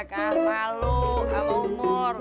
kacau malu tak umur